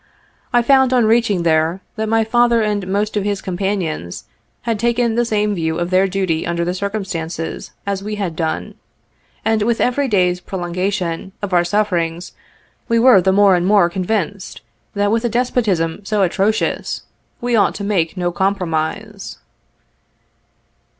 I found on reaching there, that my father and most of his companions had taken the same view of their duty under the circumstances, as we had done ; and with every day's prolongation of our sufferings, we were the more and more convinced, that with a despotism so atrocious, we ought to make no compromise.